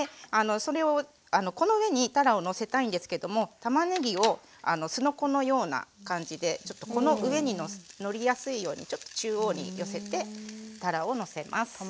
それをこの上にたらをのせたいんですけどもたまねぎをすのこのような感じでこの上にのりやすいようにちょっと中央に寄せてたらをのせます。